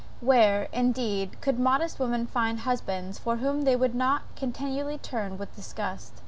Where, indeed, could modest women find husbands from whom they would not continually turn with disgust?